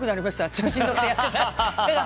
調子に乗ってやってたら。